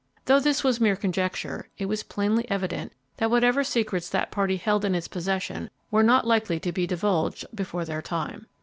Though this was mere conjecture, it was plainly evident that whatever secrets that party held in its possession were not likely to be divulged before their time.